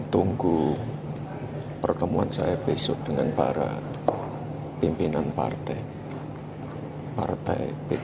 tunggu pertemuan saya besok dengan para pimpinan partai